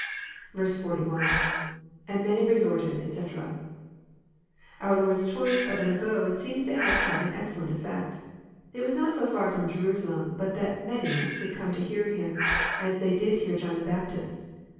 Al. — lAnd many resorted, etcJ] Our Lord's choice of an abode seems to have had an excellent efi'ect. It was not so far from Jerusalem but that <* many " could come to hear Him; as they did to hear John the Baptist.